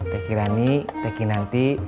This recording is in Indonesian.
teki rani teki nanti